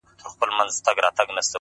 پوهه د ناپوهۍ کړکۍ تړي،